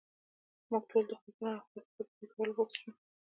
موږ ټول د ښاخونو او خس پر پرې کولو بوخت شو.